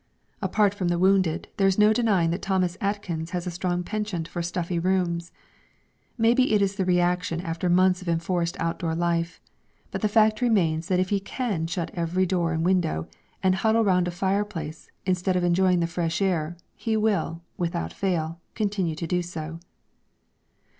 Apart from the wounded there is no denying that Thomas Atkins has a strong penchant for stuffy rooms. Maybe it is the reaction after months of enforced outdoor life, but the fact remains that if he can shut every door and window, and huddle round a fireplace instead of enjoying the fresh air, he will, without fail, continue to do so.